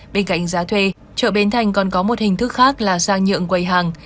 bên cạnh giá thuê chợ bến thành còn có một hình thức khác là sang nhượng quầy hàng